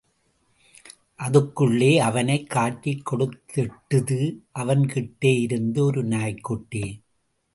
அதுக்குள்ளே அவனைக் காட்டிக் கொடுத்திட்டுது அவன் கிட்டேயிருந்த ஒரு நாய்க்குட்டி...!